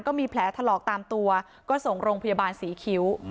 ก็มีแผลถลอกตามตัวก็ส่งโรงพยาบาลศรีคิ้ว